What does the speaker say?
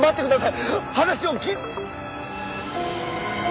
話を聞いて！